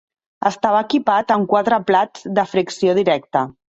Estava equipat amb quatre plats de fricció directa.